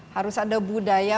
harus ada budaya